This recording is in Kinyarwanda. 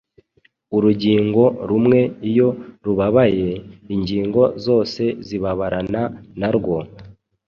urugingo rumwe iyo rubabaye, ingingo zose zibabarana na rwo,